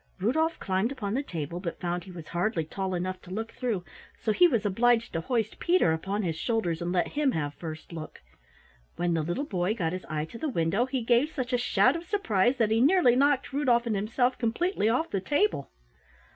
Rudolf climbed upon the table, but found he was hardly tall enough to look through, so he was obliged to hoist Peter upon his shoulders and let him have first look. When the little boy got his eye to the window he gave such a shout of surprise that he nearly knocked Rudolf and himself completely off the table.